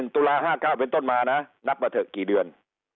ตุลา๕๙เป็นต้นมานะนับมาเถอะกี่เดือน